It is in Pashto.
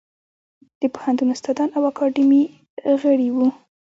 د پوهنتون استادان او د اکاډمۍ غړي وو.